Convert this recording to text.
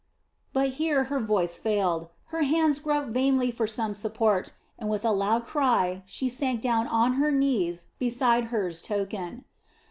But here her voice failed. Her hands groped vainly for some support, and with a loud cry she sank on her knees beside Hur's token.